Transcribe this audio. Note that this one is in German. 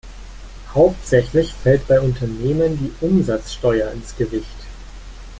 Hauptsächlich fällt bei Unternehmen die Umsatzsteuer ins Gewicht.